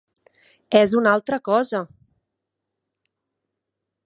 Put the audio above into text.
És una altra cosa!!!